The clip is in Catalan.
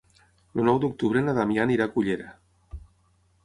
El nou d'octubre na Damià anirà a Cullera.